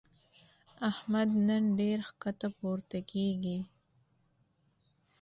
احمد نن ډېر ښکته پورته کېږي.